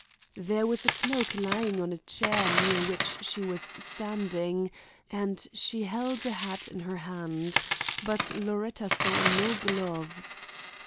There was a cloak lying on a chair near which she was standing, and she held a hat in her hand; but Loretta saw no gloves.